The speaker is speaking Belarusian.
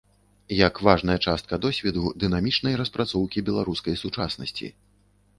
Як важная частка досведу дынамічнай распрацоўкі беларускай сучаснасці.